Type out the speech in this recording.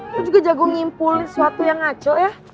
lo juga jago ngimpul suatu yang ngaco ya